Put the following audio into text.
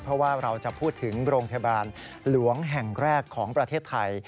เพราะว่าเราจะพูดถึงโรงพยาบาลหลวงแห่งแรกของประเทศไทย